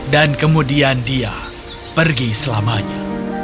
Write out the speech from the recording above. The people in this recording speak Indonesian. kemudian dia pergi selamanya